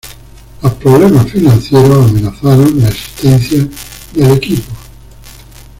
Los problemas financieros amenazaron la existencia del equipo.